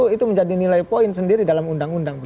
itu menjadi nilai poin sendiri dalam undang undang